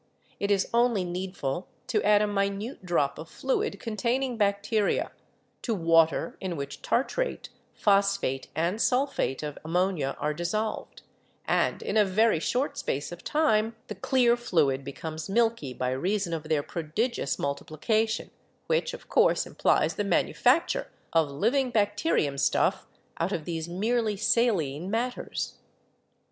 It is only needful to add a minute drop of fluid containing 'Bacteria' to water in which tartrate, phosphate and sulphate of am monia are dissolved, and in a very short space of time the clear fluid becomes milky by reason of their prodigious multiplication which, of course, implies the manufacture of living bacterium stuff out of these merely saline mat ters.